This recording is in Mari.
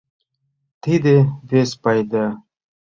Тиде — вес пайда.